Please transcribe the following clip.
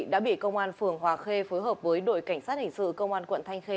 đã bị công an phường hòa khê phối hợp với đội cảnh sát hình sự công an quận thanh khê